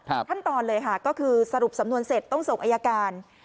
ขั้นตอนเลยค่ะก็คือสรุปสำนวนเสร็จต้องส่งอายการ